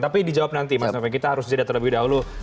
tapi dijawab nanti mas novel kita harus jeda terlebih dahulu